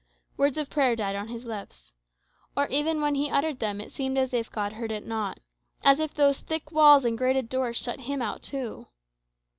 Words of prayer died on his lips. Or, even when he uttered them, it seemed as if God heard not as if those thick walls and grated doors shut him out too.